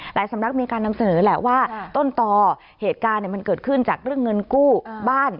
สำนักมีการนำเสนอแหละว่าต้นต่อเหตุการณ์มันเกิดขึ้นจากเรื่องเงินกู้บ้าน